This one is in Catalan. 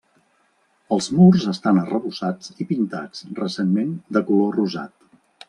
Els murs estan arrebossats i pintats recentment de color rosat.